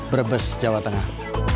brebes jawa tengah